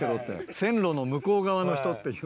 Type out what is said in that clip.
線路の向こう側の人っていう。